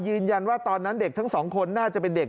ยืนยันว่าตอนนั้นเด็กทั้งสองคนน่าจะเป็นเด็ก